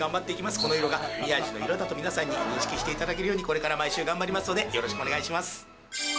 この色が宮治の色だと皆さんに認識していただけるように、これから毎週、頑張りますので、よろしくお願いします。